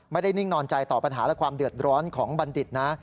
นิ่งนอนใจต่อปัญหาและความเดือดร้อนของบัณฑิตนะ